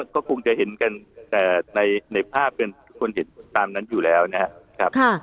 ก็คงจะเห็นกันแต่ในภาพเป็นคนเห็นตามนั้นอยู่แล้วนะครับ